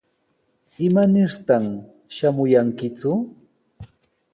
¿Imanirtaq shamuyankiku?